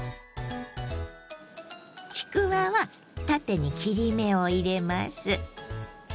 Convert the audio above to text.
ちくわは縦に切り目を入れます。